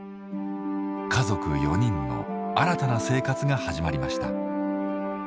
家族４人の新たな生活が始まりました。